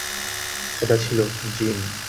এটা ভালো ছিলো, জিম।